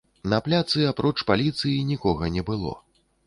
На пляцы, апроч паліцыі, нікога не было.